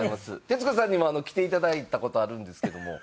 徹子さんにも来ていただいた事あるんですけども。